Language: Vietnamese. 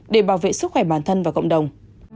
để bảo vệ sức khỏe bản thân và cộng đồng